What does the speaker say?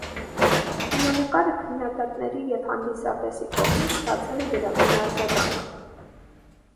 Կինոնկարը քննադատների և հանդիսատեսի կողմից ստացել է դրական արձագանք։